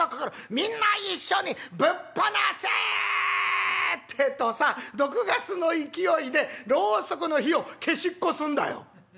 「『みんな一緒にぶっ放せ！』ってえとさ毒ガスの勢いでろうそくの火を消しっこすんだよ」。